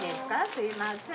すいません。